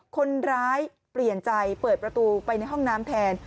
คนร้ายเปลี่ยนใจเปิดประตูไปในห้องน้ำแทน